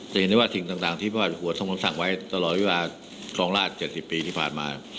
จะเห็นได้ว่าสิ่งต่างที่พระหัวทรงผมสั่งไว้ตลอดเวลาครองราช๗๐ปีที่ผ่านมา